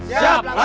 siap wakil komandan